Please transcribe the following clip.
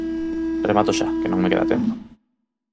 Remato xa, que non me queda tempo.